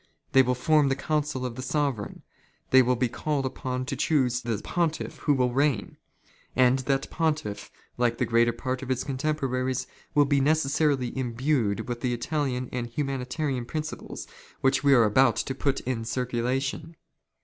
They will form the council of the "Sovereign. They will be called upon to choose the Pontiff " who will reign ; and that Pontiff, like the greater part of his "contemporaries, will be necessarily imbued with the Italian and "humanitarian principles which we are about to put in circula " tion.